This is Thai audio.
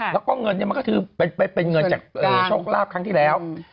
แล้วก็เงินมันก็คือเป็นเงินจากช่องลาฟครั้งที่แล้ว